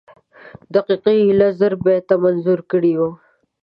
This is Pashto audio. دقیقي ایله زر بیته منظوم کړي وو.